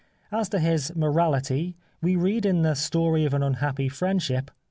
As to his morality we read in " The Story of an Unhappy Friendship."